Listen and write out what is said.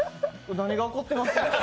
何が起こってます？